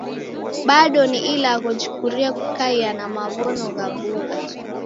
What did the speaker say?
Bado ni ilagho jikurie kukaia na maw'ono gha bugha.